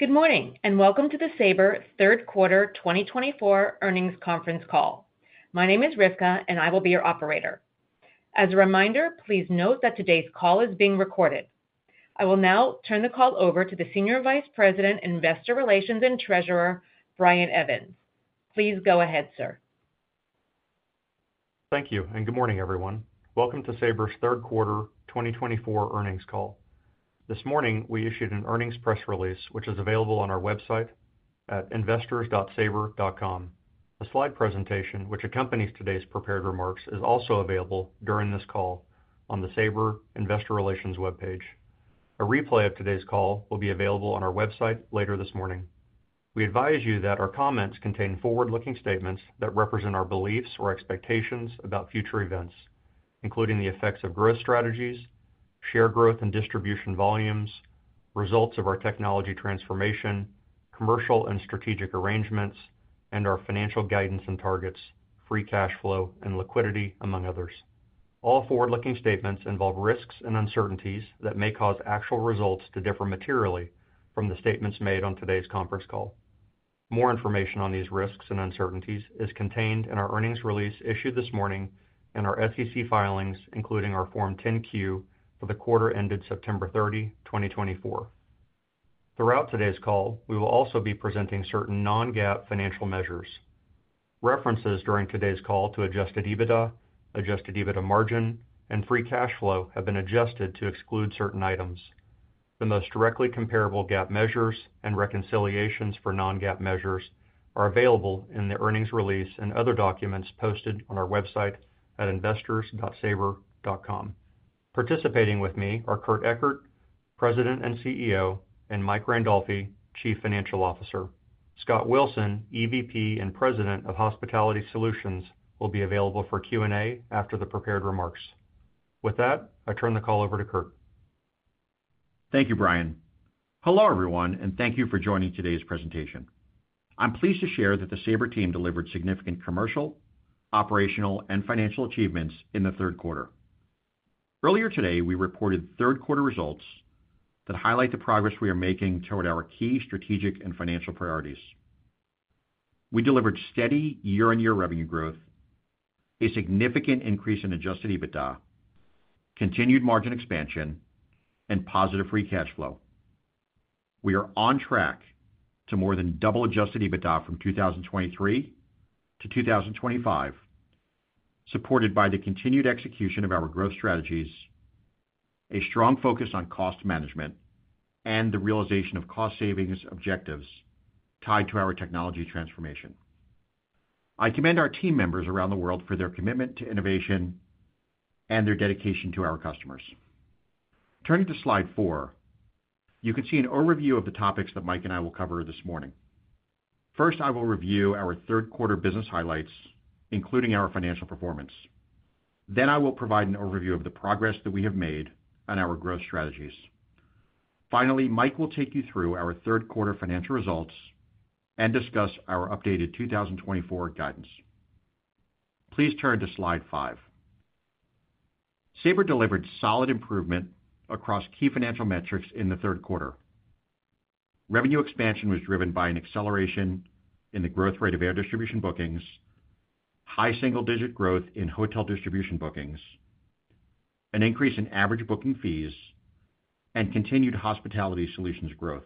Good morning and welcome to the Sabre third quarter 2024 earnings conference call. My name is Rifka, and I will be your operator. As a reminder, please note that today's call is being recorded. I will now turn the call over to the Senior Vice President Investor Relations and Treasurer, Brian Evans. Please go ahead, sir. Thank you, and good morning, everyone. Welcome to Sabre's third quarter 2024 earnings call. This morning, we issued an earnings press release, which is available on our website at investors.sabre.com. A slide presentation, which accompanies today's prepared remarks, is also available during this call on the Sabre investor relations webpage. A replay of today's call will be available on our website later this morning. We advise you that our comments contain forward-looking statements that represent our beliefs or expectations about future events, including the effects of growth strategies, share growth and distribution volumes, results of our technology transformation, commercial and strategic arrangements, and our financial guidance and targets, free cash flow and liquidity, among others. All forward-looking statements involve risks and uncertainties that may cause actual results to differ materially from the statements made on today's conference call. More information on these risks and uncertainties is contained in our earnings release issued this morning and our SEC filings, including our Form 10-Q for the quarter ended September 30, 2024. Throughout today's call, we will also be presenting certain non-GAAP financial measures. References during today's call to adjusted EBITDA, adjusted EBITDA margin, and free cash flow have been adjusted to exclude certain items. The most directly comparable GAAP measures and reconciliations for non-GAAP measures are available in the earnings release and other documents posted on our website at investors.sabre.com. Participating with me are Kurt Ekert, President and CEO, and Mike Randolfi, Chief Financial Officer. Scott Wilson, EVP and President of Hospitality Solutions, will be available for Q&A after the prepared remarks. With that, I turn the call over to Kurt. Thank you, Brian. Hello, everyone, and thank you for joining today's presentation. I'm pleased to share that the Sabre team delivered significant commercial, operational, and financial achievements in the third quarter. Earlier today, we reported third quarter results that highlight the progress we are making toward our key strategic and financial priorities. We delivered steady year-on-year revenue growth, a significant increase in adjusted EBITDA, continued margin expansion, and positive free cash flow. We are on track to more than double adjusted EBITDA from 2023 to 2025, supported by the continued execution of our growth strategies, a strong focus on cost management, and the realization of cost savings objectives tied to our technology transformation. I commend our team members around the world for their commitment to innovation and their dedication to our customers. Turning to slide four, you can see an overview of the topics that Mike and I will cover this morning. First, I will review our third quarter business highlights, including our financial performance. Then, I will provide an overview of the progress that we have made on our growth strategies. Finally, Mike will take you through our third quarter financial results and discuss our updated 2024 guidance. Please turn to slide five. Sabre delivered solid improvement across key financial metrics in the third quarter. Revenue expansion was driven by an acceleration in the growth rate of air distribution bookings, high single-digit growth in hotel distribution bookings, an increase in average booking fees, and continued Hospitality Solutions growth.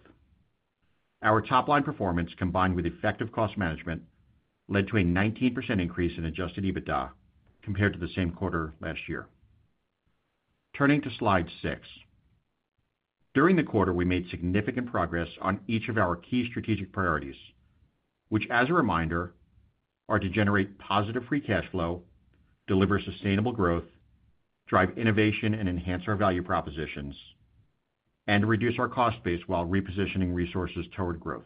Our top-line performance, combined with effective cost management, led to a 19% increase in adjusted EBITDA compared to the same quarter last year. Turning to slide six, during the quarter, we made significant progress on each of our key strategic priorities, which, as a reminder, are to generate positive free cash flow, deliver sustainable growth, drive innovation, and enhance our value propositions, and reduce our cost base while repositioning resources toward growth.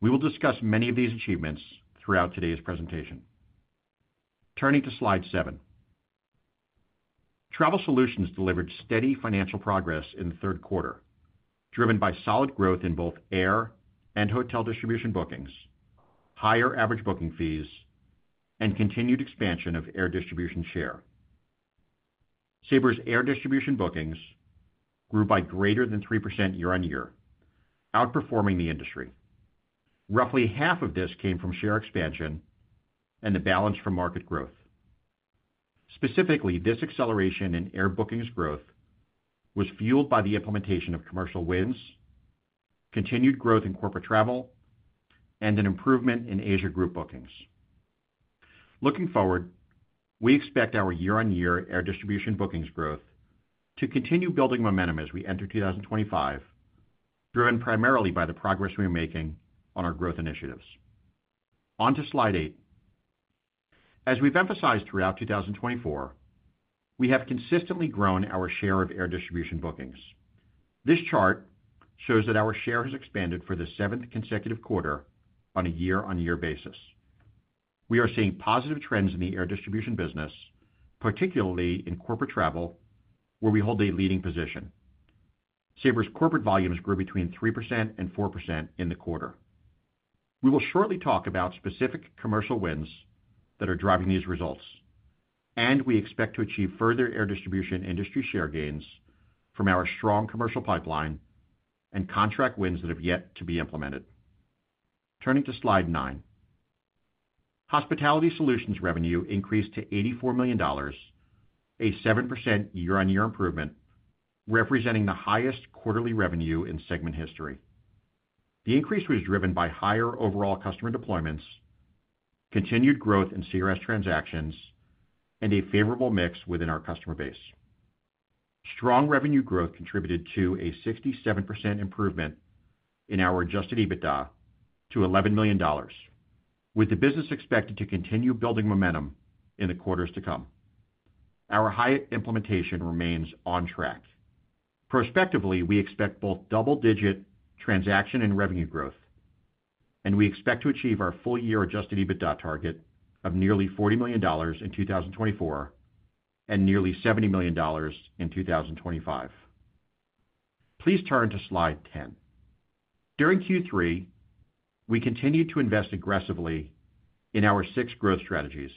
We will discuss many of these achievements throughout today's presentation. Turning to slide seven, Travel Solutions delivered steady financial progress in the third quarter, driven by solid growth in both air and hotel distribution bookings, higher average booking fees, and continued expansion of air distribution share. Sabre's air distribution bookings grew by greater than 3% year-on-year, outperforming the industry. Roughly half of this came from share expansion and the balance from market growth. Specifically, this acceleration in air bookings growth was fueled by the implementation of commercial wins, continued growth in corporate travel, and an improvement in Asia group bookings. Looking forward, we expect our year-on-year air distribution bookings growth to continue building momentum as we enter 2025, driven primarily by the progress we are making on our growth initiatives. On to slide eight. As we've emphasized throughout 2024, we have consistently grown our share of air distribution bookings. This chart shows that our share has expanded for the seventh consecutive quarter on a year-on-year basis. We are seeing positive trends in the air distribution business, particularly in corporate travel, where we hold a leading position. Sabre's corporate volumes grew between 3% and 4% in the quarter. We will shortly talk about specific commercial wins that are driving these results, and we expect to achieve further air distribution industry share gains from our strong commercial pipeline and contract wins that have yet to be implemented. Turning to slide nine, Hospitality Solutions revenue increased to $84 million, a 7% year-on-year improvement, representing the highest quarterly revenue in segment history. The increase was driven by higher overall customer deployments, continued growth in CRS transactions, and a favorable mix within our customer base. Strong revenue growth contributed to a 67% improvement in our adjusted EBITDA to $11 million, with the business expected to continue building momentum in the quarters to come. Our Hyatt implementation remains on track. Prospectively, we expect both double-digit transaction and revenue growth, and we expect to achieve our full-year adjusted EBITDA target of nearly $40 million in 2024 and nearly $70 million in 2025. Please turn to slide 10. During Q3, we continued to invest aggressively in our six growth strategies,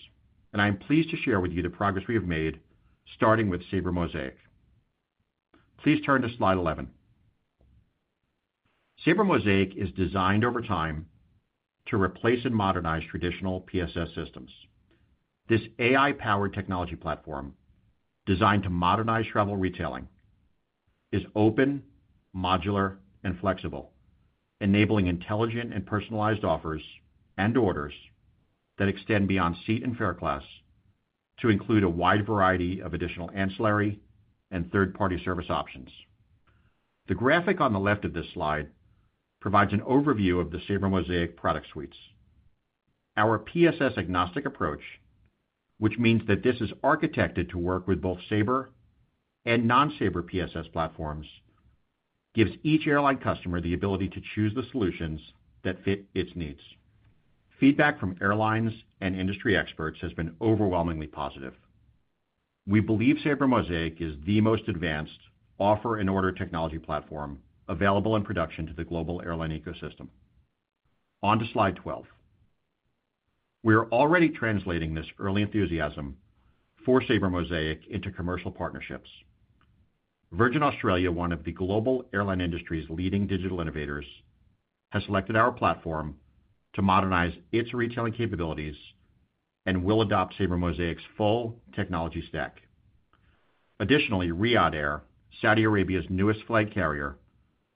and I am pleased to share with you the progress we have made, starting with SabreMosaic. Please turn to slide 11. SabreMosaic is designed over time to replace and modernize traditional PSS systems. This AI-powered technology platform, designed to modernize travel retailing, is open, modular, and flexible, enabling intelligent and personalized offers and orders that extend beyond seat and fare class to include a wide variety of additional ancillary and third-party service options. The graphic on the left of this slide provides an overview of the SabreMosaic product suites. Our PSS-agnostic approach, which means that this is architected to work with both Sabre and non-Sabre PSS platforms, gives each airline customer the ability to choose the solutions that fit its needs. Feedback from airlines and industry experts has been overwhelmingly positive. We believe SabreMosaic is the most advanced offer-and-order technology platform available in production to the global airline ecosystem. On to slide 12. We are already translating this early enthusiasm for SabreMosaic into commercial partnerships. Virgin Australia, one of the global airline industry's leading digital innovators, has selected our platform to modernize its retailing capabilities and will adopt SabreMosaic's full technology stack. Additionally, Riyadh Air, Saudi Arabia's newest flight carrier,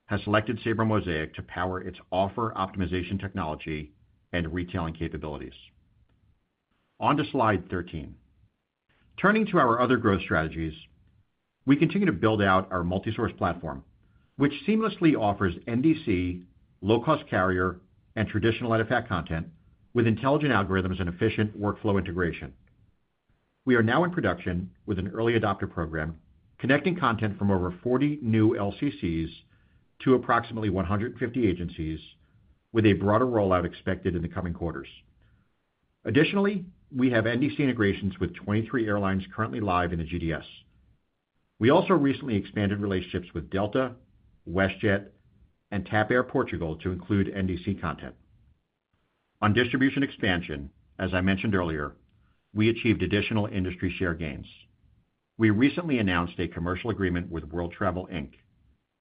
has selected SabreMosaic to power its offer optimization technology and retailing capabilities. On to slide 13. Turning to our other growth strategies, we continue to build out our multi-source platform, which seamlessly offers NDC, low-cost carrier, and traditional EDIFACT content with intelligent algorithms and efficient workflow integration. We are now in production with an early adopter program, connecting content from over 40 new LCCs to approximately 150 agencies, with a broader rollout expected in the coming quarters. Additionally, we have NDC integrations with 23 airlines currently live in the GDS. We also recently expanded relationships with Delta, WestJet, and TAP Air Portugal to include NDC content. On distribution expansion, as I mentioned earlier, we achieved additional industry share gains. We recently announced a commercial agreement with World Travel, Inc.,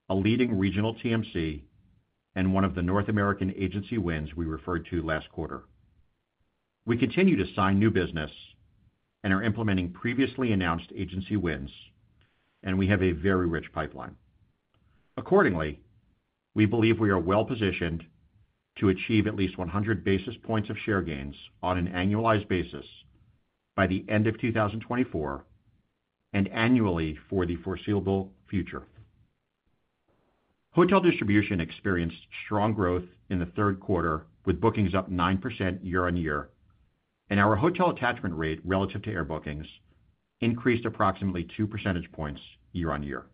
a leading regional TMC, and one of the North American agency wins we referred to last quarter. We continue to sign new business and are implementing previously announced agency wins, and we have a very rich pipeline. Accordingly, we believe we are well positioned to achieve at least 100 basis points of share gains on an annualized basis by the end of 2024 and annually for the foreseeable future. Hotel distribution experienced strong growth in the third quarter, with bookings up 9% year-on-year, and our hotel attachment rate relative to air bookings increased approximately 2 percentage points year-on-year.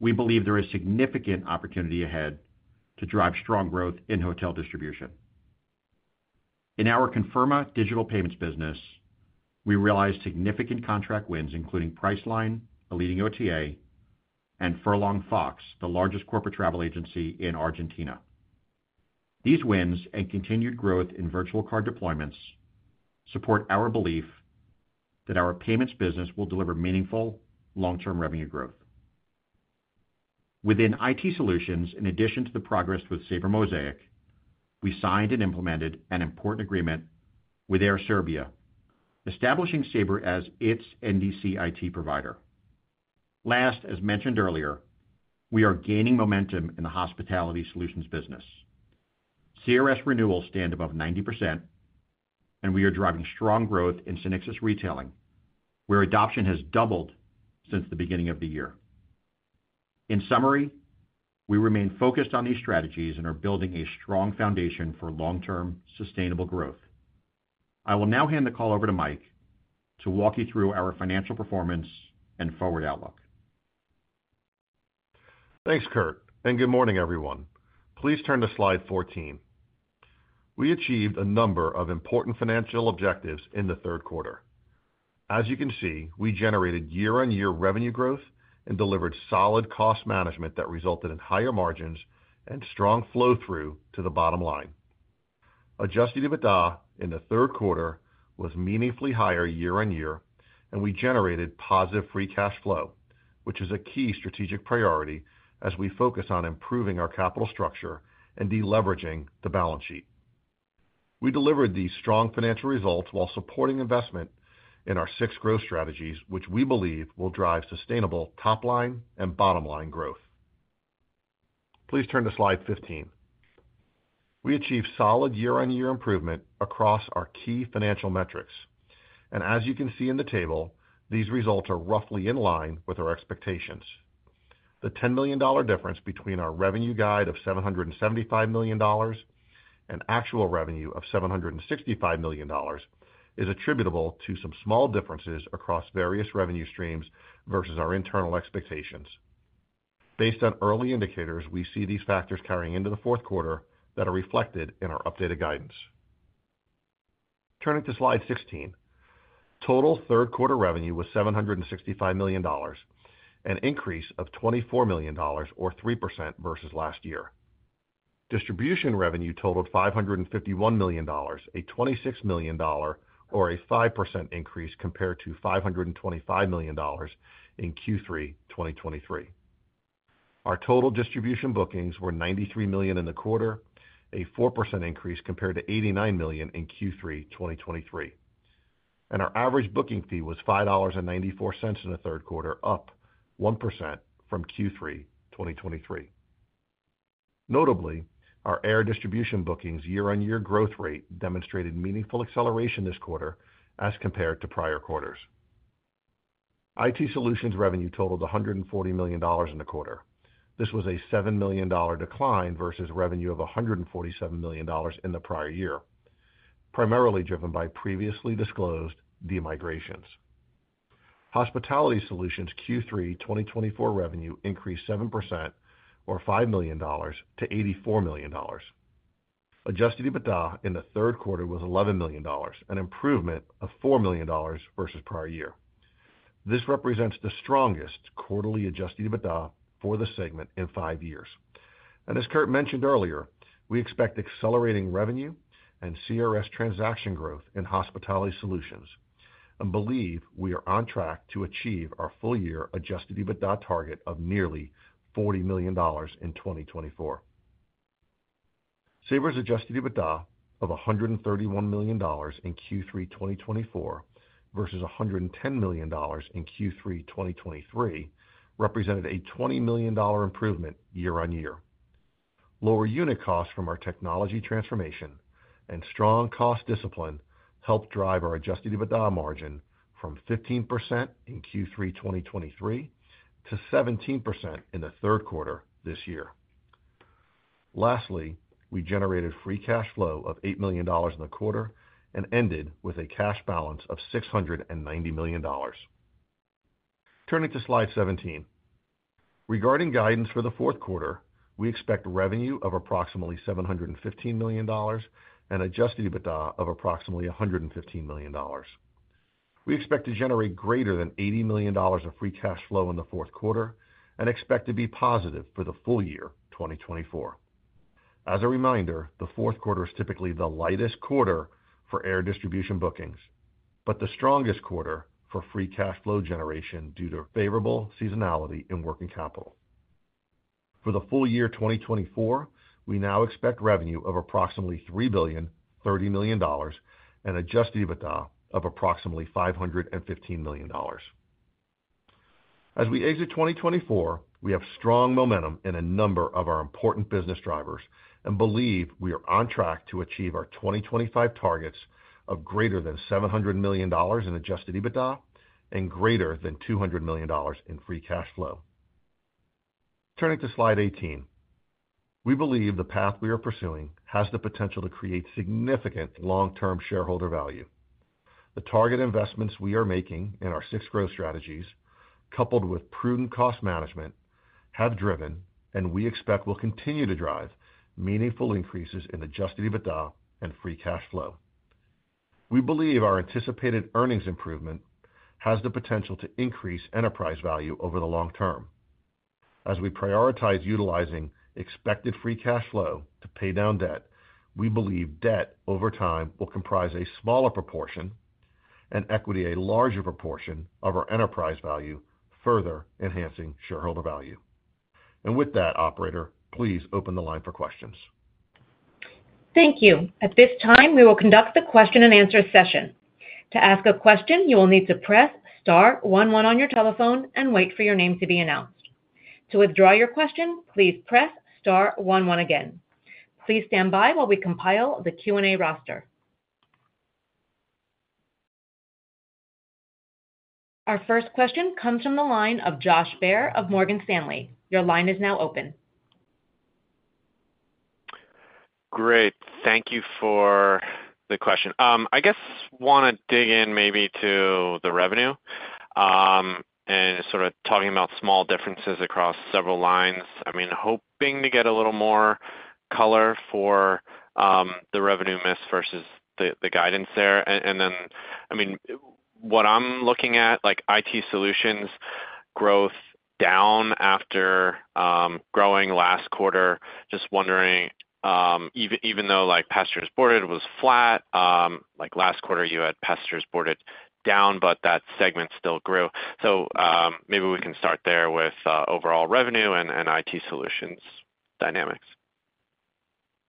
We believe there is significant opportunity ahead to drive strong growth in hotel distribution. In our Conferma digital payments business, we realized significant contract wins, including Priceline, a leading OTA, and Furlong-Fox, the largest corporate travel agency in Argentina. These wins and continued growth in virtual card deployments support our belief that our payments business will deliver meaningful long-term revenue growth. Within IT Solutions, in addition to the progress with SabreMosaic, we signed and implemented an important agreement with Air Serbia, establishing Sabre as its NDC IT provider. Last, as mentioned earlier, we are gaining momentum in the Hospitality Solutions business. CRS renewals stand above 90%, and we are driving strong growth in SynXis Retailing, where adoption has doubled since the beginning of the year. In summary, we remain focused on these strategies and are building a strong foundation for long-term sustainable growth. I will now hand the call over to Mike to walk you through our financial performance and forward outlook. Thanks, Kurt, and good morning, everyone. Please turn to slide 14. We achieved a number of important financial objectives in the third quarter. As you can see, we generated year-on-year revenue growth and delivered solid cost management that resulted in higher margins and strong flow-through to the bottom line. Adjusted EBITDA in the third quarter was meaningfully higher year-on-year, and we generated positive free cash flow, which is a key strategic priority as we focus on improving our capital structure and deleveraging the balance sheet. We delivered these strong financial results while supporting investment in our six growth strategies, which we believe will drive sustainable top-line and bottom-line growth. Please turn to slide 15. We achieved solid year-on-year improvement across our key financial metrics, and as you can see in the table, these results are roughly in line with our expectations. The $10 million difference between our revenue guide of $775 million and actual revenue of $765 million is attributable to some small differences across various revenue streams versus our internal expectations. Based on early indicators, we see these factors carrying into the fourth quarter that are reflected in our updated guidance. Turning to slide 16, total third quarter revenue was $765 million, an increase of $24 million, or 3% versus last year. Distribution revenue totaled $551 million, a $26 million, or a 5% increase compared to $525 million in Q3 2023. Our total distribution bookings were $93 million in the quarter, a 4% increase compared to $89 million in Q3 2023, and our average booking fee was $5.94 in the third quarter, up 1% from Q3 2023. Notably, our air distribution bookings' year-on-year growth rate demonstrated meaningful acceleration this quarter as compared to prior quarters. IT Solutions revenue totaled $140 million in the quarter. This was a $7 million decline versus revenue of $147 million in the prior year, primarily driven by previously disclosed demigrations. Hospitality Solutions' Q3 2024 revenue increased 7%, or $5 million, to $84 million. Adjusted EBITDA in the third quarter was $11 million, an improvement of $4 million versus prior year. This represents the strongest quarterly adjusted EBITDA for the segment in five years. And as Kurt mentioned earlier, we expect accelerating revenue and CRS transaction growth in Hospitality Solutions and believe we are on track to achieve our full-year adjusted EBITDA target of nearly $40 million in 2024. Sabre's adjusted EBITDA of $131 million in Q3 2024 versus $110 million in Q3 2023 represented a $20 million improvement year-on-year. Lower unit costs from our technology transformation and strong cost discipline helped drive our adjusted EBITDA margin from 15% in Q3 2023 to 17% in the third quarter this year. Lastly, we generated free cash flow of $8 million in the quarter and ended with a cash balance of $690 million. Turning to slide 17. Regarding guidance for the fourth quarter, we expect revenue of approximately $715 million and adjusted EBITDA of approximately $115 million. We expect to generate greater than $80 million of free cash flow in the fourth quarter and expect to be positive for the full year 2024. As a reminder, the fourth quarter is typically the lightest quarter for air distribution bookings, but the strongest quarter for free cash flow generation due to favorable seasonality in working capital. For the full year 2024, we now expect revenue of approximately $3.03 billion and adjusted EBITDA of approximately $515 million. As we exit 2024, we have strong momentum in a number of our important business drivers and believe we are on track to achieve our 2025 targets of greater than $700 million in adjusted EBITDA and greater than $200 million in free cash flow. Turning to slide 18, we believe the path we are pursuing has the potential to create significant long-term shareholder value. The target investments we are making in our six growth strategies, coupled with prudent cost management, have driven and we expect will continue to drive meaningful increases in adjusted EBITDA and free cash flow. We believe our anticipated earnings improvement has the potential to increase enterprise value over the long term. As we prioritize utilizing expected free cash flow to pay down debt, we believe debt over time will comprise a smaller proportion and equity a larger proportion of our enterprise value, further enhancing shareholder value. With that, Operator, please open the line for questions. Thank you. At this time, we will conduct the question and answer session. To ask a question, you will need to press star one one on your telephone and wait for your name to be announced. To withdraw your question, please press star one one again. Please stand by while we compile the Q&A roster. Our first question comes from the line of Josh Baer of Morgan Stanley. Your line is now open. Great. Thank you for the question. I guess I want to dig in maybe to the revenue and sort of talking about small differences across several lines. I mean, hoping to get a little more color for the revenue miss versus the guidance there. And then, I mean, what I'm looking at, like IT Solutions growth down after growing last quarter, just wondering, even though passengers was flat, like last quarter you had passengers boarded down, but that segment still grew. So maybe we can start there with overall revenue and IT Solutions dynamics.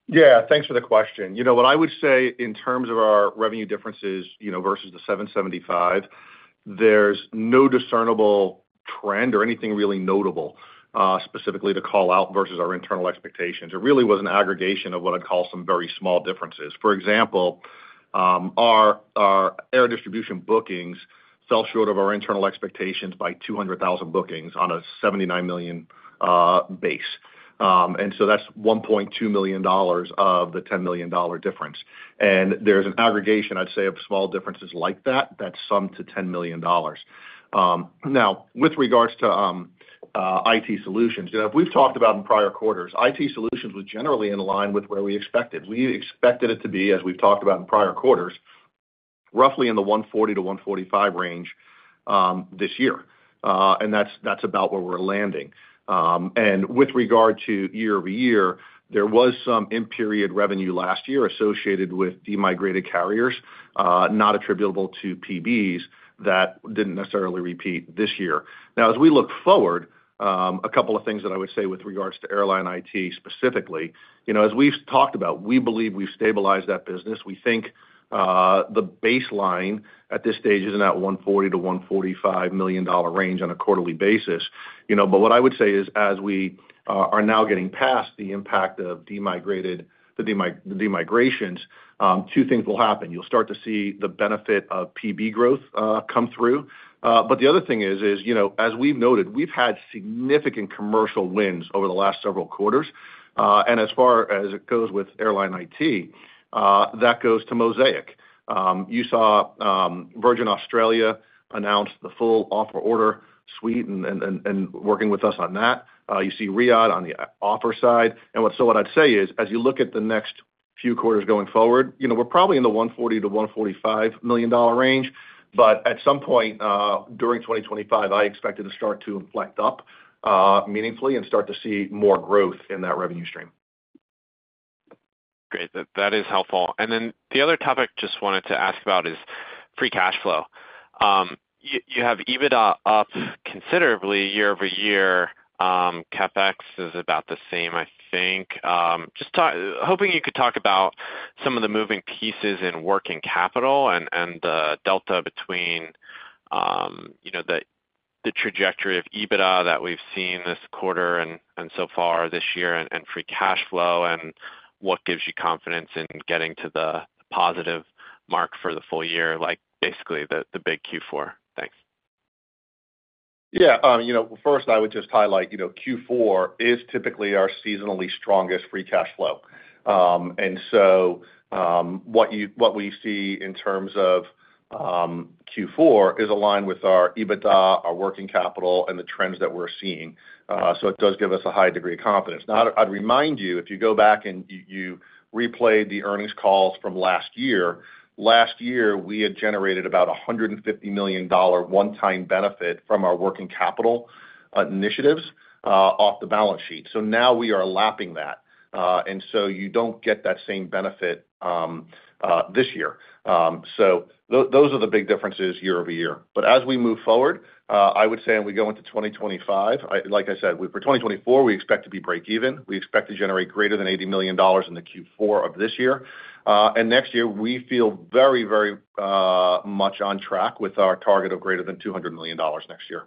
Yeah, thanks for the question. You know, what I would say in terms of our revenue differences versus the $775, there's no discernible trend or anything really notable specifically to call out versus our internal expectations. It really was an aggregation of what I'd call some very small differences. For example, our air distribution bookings fell short of our internal expectations by 200,000 bookings on a 79 million base. And so that's $1.2 million of the $10 million difference. And there's an aggregation, I'd say, of small differences like that that's summed to $10 million. Now, with regards to IT Solutions, you know, we've talked about in prior quarters, IT Solutions was generally in line with where we expected. We expected it to be, as we've talked about in prior quarters, roughly in the $140 million-$145 million range this year. And that's about where we're landing. And with regard to year-over-year, there was some impaired revenue last year associated with demigrated carriers not attributable to PBs that didn't necessarily repeat this year. Now, as we look forward, a couple of things that I would say with regards to airline IT specifically, you know, as we've talked about, we believe we've stabilized that business. We think the baseline at this stage is in that $140 million-$145 million range on a quarterly basis. You know, but what I would say is, as we are now getting past the impact of the demigrations, two things will happen. You'll start to see the benefit of PB growth come through. But the other thing is, you know, as we've noted, we've had significant commercial wins over the last several quarters. And as far as it goes with airline IT, that goes to Mosaic. You saw Virgin Australia announce the full offer order suite and working with us on that. You see Riyadh on the offer side. And so what I'd say is, as you look at the next few quarters going forward, you know, we're probably in the $140 million-$145 million range. But at some point during 2025, I expect it to start to inflect up meaningfully and start to see more growth in that revenue stream. Great. That is helpful. And then the other topic I just wanted to ask about is free cash flow. You have EBITDA up considerably year-over-year. CapEx is about the same, I think. Just hoping you could talk about some of the moving pieces in working capital and the delta between, you know, the trajectory of EBITDA that we've seen this quarter and so far this year and free cash flow and what gives you confidence in getting to the positive mark for the full year, like basically the big Q4. Thanks. Yeah. You know, first, I would just highlight, you know, Q4 is typically our seasonally strongest free cash flow. And so what we see in terms of Q4 is aligned with our EBITDA, our working capital, and the trends that we're seeing. So it does give us a high degree of confidence. Now, I'd remind you, if you go back and you replay the earnings calls from last year, last year we had generated about a $150 million one-time benefit from our working capital initiatives off the balance sheet. So now we are lapping that. And so you don't get that same benefit this year. So those are the big differences year-over-year. But as we move forward, I would say, and we go into 2025, like I said, for 2024, we expect to be break-even. We expect to generate greater than $80 million in the Q4 of this year. Next year, we feel very, very much on track with our target of greater than $200 million next year.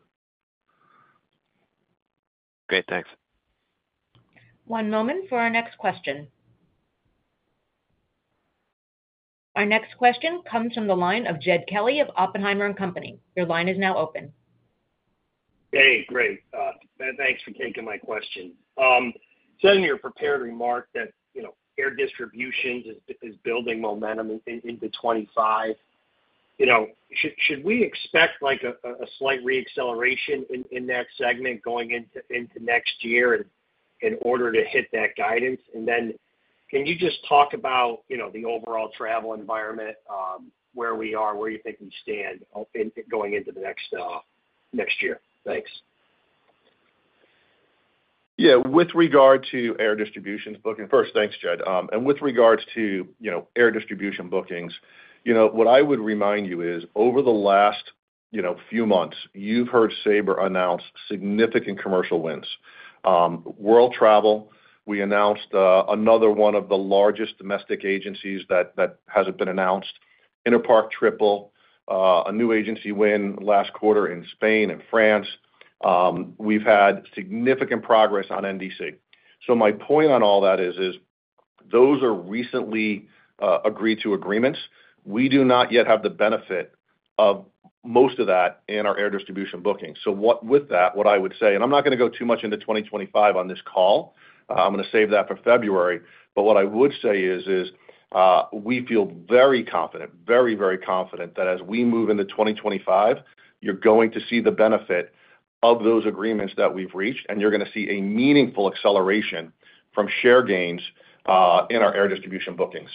Great. Thanks. One moment for our next question. Our next question comes from the line of Jed Kelly of Oppenheimer & Company. Your line is now open. Hey, great. Thanks for taking my question. You said in your prepared remark that, you know, air distribution is building momentum into 2025. You know, should we expect like a slight re-acceleration in that segment going into next year in order to hit that guidance? And then can you just talk about, you know, the overall travel environment, where we are, where you think we stand going into the next year? Thanks. Yeah. With regard to air distribution bookings, first, thanks, Jed. And with regards to, you know, air distribution bookings, you know, what I would remind you is over the last, you know, few months, you've heard Sabre announce significant commercial wins. World Travel, we announced another one of the largest domestic agencies that hasn't been announced, InterparkTriple, a new agency win last quarter in Spain and France. We've had significant progress on NDC. So my point on all that is, is those are recently agreed to agreements. We do not yet have the benefit of most of that in our air distribution booking. So with that, what I would say, and I'm not going to go too much into 2025 on this call, I'm going to save that for February. But what I would say is we feel very confident, very, very confident that as we move into 2025, you're going to see the benefit of those agreements that we've reached, and you're going to see a meaningful acceleration from share gains in our air distribution bookings.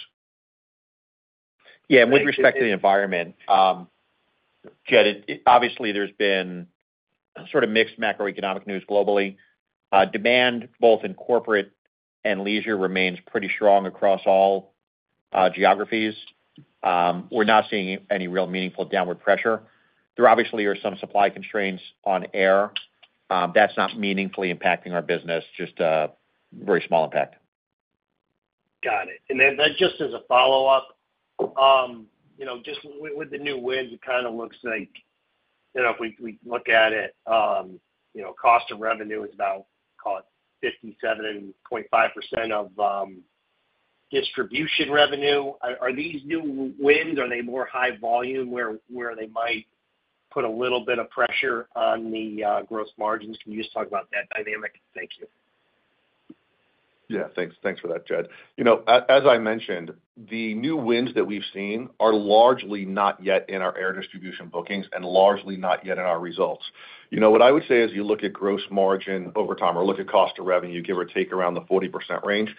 Yeah. And with respect to the environment, Jed, obviously there's been sort of mixed macroeconomic news globally. Demand both in corporate and leisure remains pretty strong across all geographies. We're not seeing any real meaningful downward pressure. There obviously are some supply constraints on air. That's not meaningfully impacting our business, just a very small impact. Got it. And then just as a follow-up, you know, just with the new wins, it kind of looks like, you know, if we look at it, you know, cost of revenue is about, call it, 57.5% of distribution revenue. Are these new wins, are they more high volume where they might put a little bit of pressure on the gross margins? Can you just talk about that dynamic? Thank you. Yeah. Thanks for that, Jed. You know, as I mentioned, the new wins that we've seen are largely not yet in our air distribution bookings and largely not yet in our results. You know, what I would say is you look at gross margin over time or look at cost of revenue, give or take around the 40% range.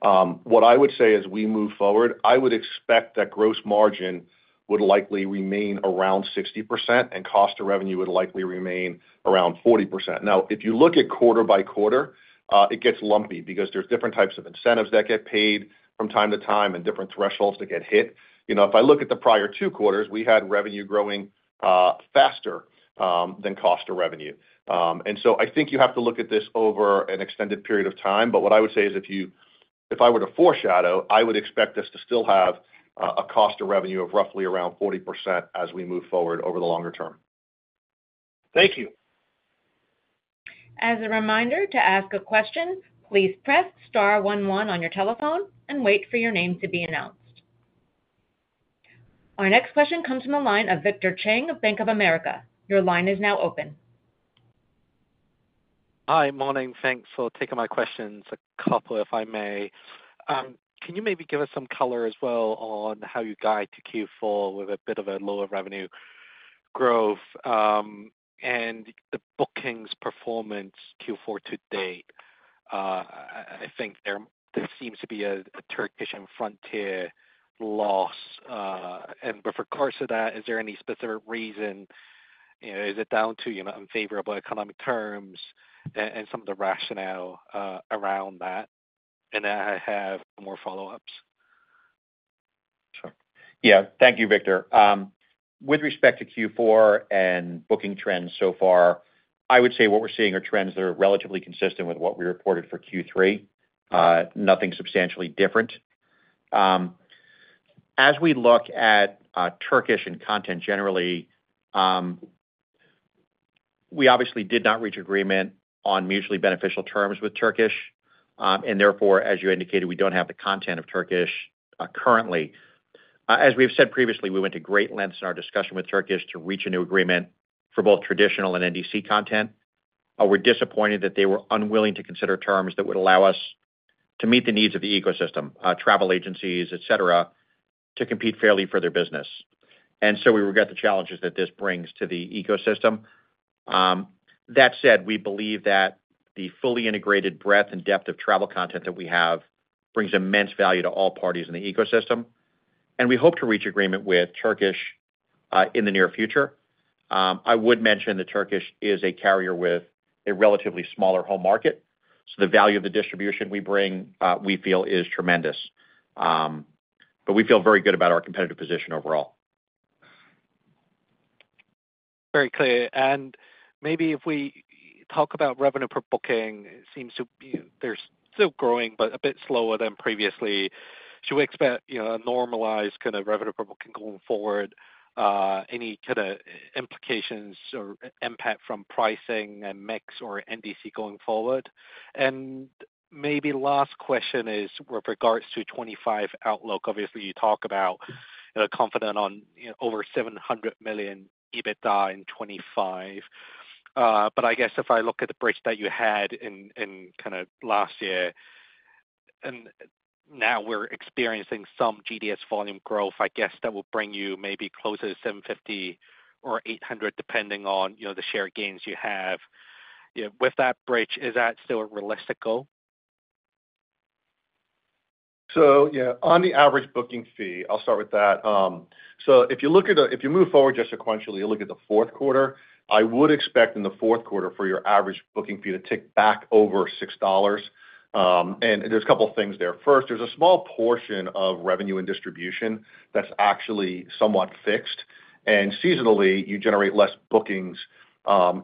What I would say as we move forward, I would expect that gross margin would likely remain around 60% and cost of revenue would likely remain around 40%. Now, if you look at quarter by quarter, it gets lumpy because there's different types of incentives that get paid from time to time and different thresholds that get hit. You know, if I look at the prior two quarters, we had revenue growing faster than cost of revenue. I think you have to look at this over an extended period of time. What I would say is if I were to foreshadow, I would expect us to still have a cost of revenue of roughly around 40% as we move forward over the longer term. Thank you. As a reminder to ask a question, please press star one one on your telephone and wait for your name to be announced. Our next question comes from the line of Victor Cheng of Bank of America. Your line is now open. Hi. Morning. Thanks for taking my questions. A couple, if I may. Can you maybe give us some color as well on how you guide to Q4 with a bit of a lower revenue growth and the bookings performance Q4 to date? I think there seems to be a Turkish and Frontier loss. And the cause of that, is there any specific reason? You know, is it down to, you know, unfavorable economic terms and some of the rationale around that? And then I have more follow-ups. Sure. Yeah. Thank you, Victor. With respect to Q4 and booking trends so far, I would say what we're seeing are trends that are relatively consistent with what we reported for third quarter. Nothing substantially different. As we look at Turkish and content generally, we obviously did not reach agreement on mutually beneficial terms with Turkish. And therefore, as you indicated, we don't have the content of Turkish currently. As we have said previously, we went to great lengths in our discussion with Turkish to reach a new agreement for both traditional and NDC content. We're disappointed that they were unwilling to consider terms that would allow us to meet the needs of the ecosystem, travel agencies, etc., to compete fairly for their business. And so we regret the challenges that this brings to the ecosystem. That said, we believe that the fully integrated breadth and depth of travel content that we have brings immense value to all parties in the ecosystem. And we hope to reach agreement with Turkish in the near future. I would mention that Turkish is a carrier with a relatively smaller home market. So the value of the distribution we bring, we feel, is tremendous. But we feel very good about our competitive position overall. Very clear. And maybe if we talk about revenue per booking, it seems to be there's still growing, but a bit slower than previously. Should we expect, you know, a normalized kind of revenue per booking going forward? Any kind of implications or impact from pricing and mix or NDC going forward? And maybe last question is with regards to 2025 outlook. Obviously, you talk about, you know, confident on over $700 million EBITDA in 2025. But I guess if I look at the bridge that you had in kind of last year, and now we're experiencing some GDS volume growth, I guess that will bring you maybe closer to $750 million or $800 million, depending on, you know, the share gains you have. With that bridge, is that still a realistic goal? Yeah, on the average booking fee, I'll start with that. If you look at, if you move forward just sequentially, you look at the fourth quarter, I would expect in the fourth quarter for your average booking fee to tick back over $6. There's a couple of things there. First, there's a small portion of revenue and distribution that's actually somewhat fixed. Seasonally, you generate less bookings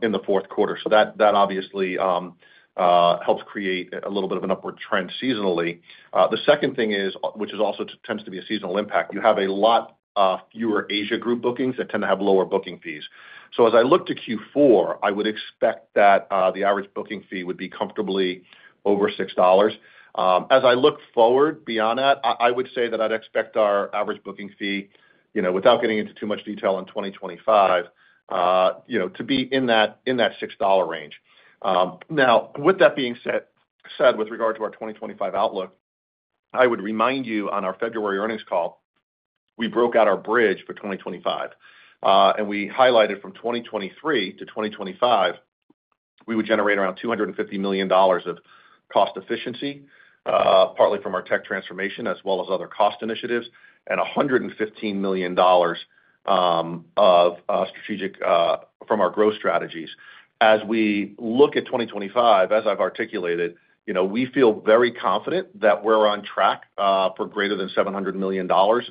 in the fourth quarter. That obviously helps create a little bit of an upward trend seasonally. The second thing is, which also tends to be a seasonal impact, you have a lot fewer Asia group bookings that tend to have lower booking fees. As I look to Q4, I would expect that the average booking fee would be comfortably over $6. As I look forward beyond that, I would say that I'd expect our average booking fee, you know, without getting into too much detail in 2025, you know, to be in that $6 range. Now, with that being said, with regard to our 2025 outlook, I would remind you on our February earnings call, we broke out our bridge for 2025, and we highlighted from 2023 to 2025, we would generate around $250 million of cost efficiency, partly from our tech transformation as well as other cost initiatives, and $115 million of strategic from our growth strategies. As we look at 2025, as I've articulated, you know, we feel very confident that we're on track for greater than $700 million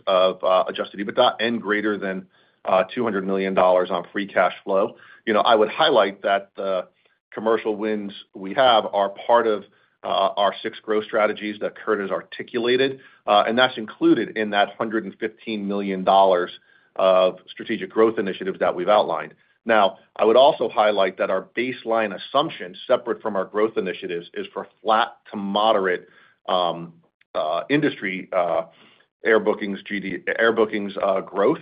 of adjusted EBITDA and greater than $200 million on free cash flow. You know, I would highlight that the commercial wins we have are part of our six growth strategies that Kurt has articulated, and that's included in that $115 million of strategic growth initiatives that we've outlined. Now, I would also highlight that our baseline assumption, separate from our growth initiatives, is for flat to moderate industry air bookings, air bookings growth.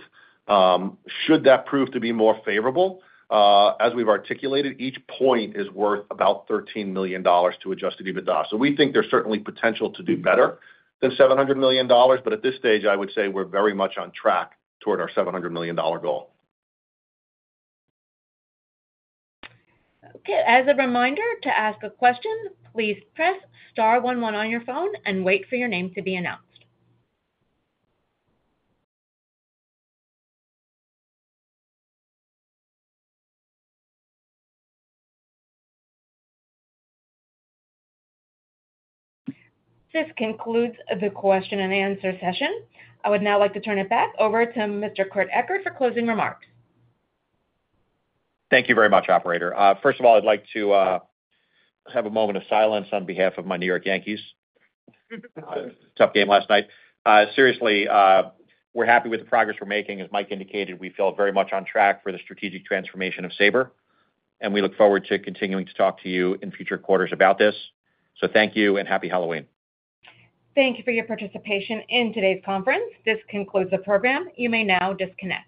Should that prove to be more favorable, as we've articulated, each point is worth about $13 million to adjusted EBITDA, so we think there's certainly potential to do better than $700 million, but at this stage, I would say we're very much on track toward our $700 million goal. Okay. As a reminder to ask a question, please press star one one on your phone and wait for your name to be announced. This concludes the question and answer session. I would now like to turn it back over to Mr. Kurt Ekert for closing remarks. Thank you very much, operator. First of all, I'd like to have a moment of silence on behalf of my New York Yankees. Tough game last night. Seriously, we're happy with the progress we're making. As Mike indicated, we feel very much on track for the strategic transformation of Sabre. And we look forward to continuing to talk to you in future quarters about this. So thank you and happy Halloween. Thank you for your participation in today's conference. This concludes the program. You may now disconnect.